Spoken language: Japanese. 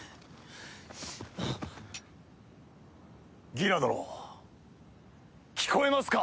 ギラ殿聞こえますか？